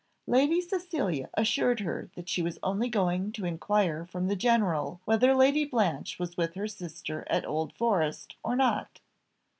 Lady Cecilia assured her that she was only going to inquire from the general whether Lady Blanche was with her sister at Old Forest, or not.